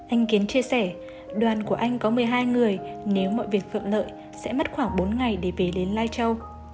anh kiến chia sẻ đoàn của anh có một mươi hai người nếu mọi việc thuận lợi sẽ mất khoảng bốn ngày để về đến lai châu